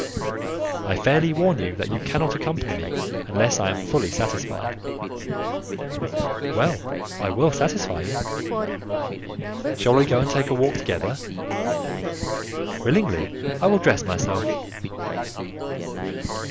"I fairly warn you that you cannot accompany me unless I am fully satisfied." "Well, I will satisfy you." "Shall we go and take a walk together?" "Willingly; I will dress myself."